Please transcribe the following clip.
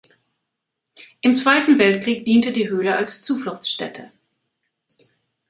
Im Zweiten Weltkrieg diente die Höhle als Zufluchtsstätte.